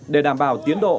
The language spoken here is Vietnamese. để đảm bảo tiến độ